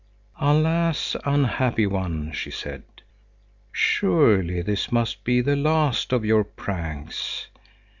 "Alas, unhappy one," she said, "surely this must be the last of your pranks!